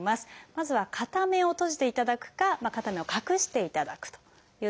まずは片目を閉じていただくか片目を隠していただくというところから始めてください。